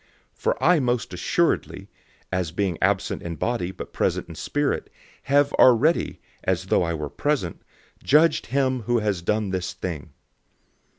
005:003 For I most certainly, as being absent in body but present in spirit, have already, as though I were present, judged him who has done this thing.